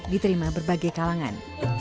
diterima berbagai kalangan